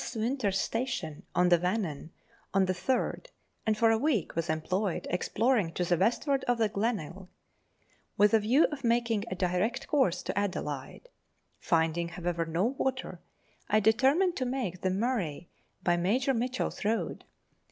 Winter's station on the Wannou on the 3rd, and for a week was employed exploring to the westward of the Glenelg, with a view of making a direct course to Adelaide. Finding, however, no water, I determined to make the Murray by Major Mitchell's road.